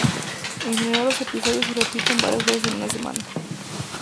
En general los episodios se repiten varias veces en una semana.